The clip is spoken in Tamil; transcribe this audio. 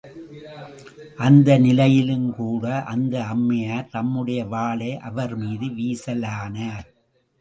அந்த நிலையிலும்கூட அந்த அம்மையார் தம்முடைய வாளை அவர் மீது வீசலானார்.